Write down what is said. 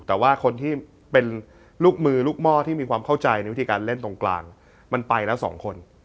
แต่ว่าคนที่เป็นลูกมือลูกหม้อที่มีความเข้าใจในวิธีการเล่นตรงกลางมันไปแล้วสองคน